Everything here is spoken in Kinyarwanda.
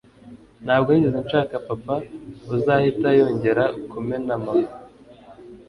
ntabwo nigeze nshaka papa uzahita yongera kumena mama